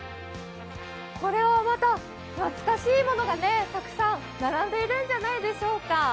これはまた懐かしいものがたくさん並んでいるんじゃないでしょうか。